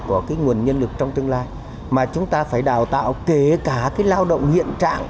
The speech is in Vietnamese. của cái nguồn nhân lực trong tương lai mà chúng ta phải đào tạo kể cả cái lao động hiện trạng